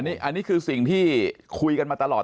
ที่ไม่มีนิวบายในการแก้ไขมาตรา๑๑๒